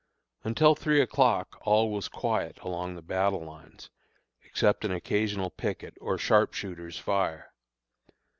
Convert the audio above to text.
Until three o'clock all was quiet along the battle lines, except an occasional picket or sharpshooter's fire.